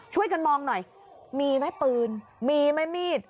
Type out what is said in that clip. ช่วยกันมองหน่อยมีไหมปืนมีไหมมีด